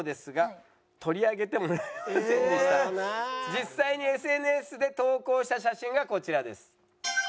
実際にＳＮＳで投稿した写真がこちらです。